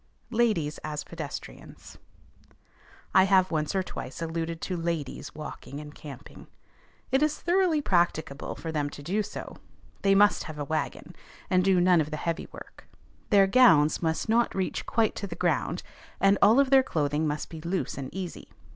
LADIES AS PEDESTRIANS. I have once or twice alluded to ladies walking and camping. It is thoroughly practicable for them to do so. They must have a wagon, and do none of the heavy work; their gowns must not reach quite to the ground, and all of their clothing must be loose and easy.